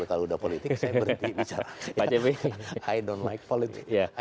kalau udah politik saya berhenti bicara